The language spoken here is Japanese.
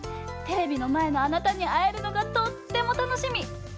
テレビのまえのあなたにあえるのがとってもたのしみ。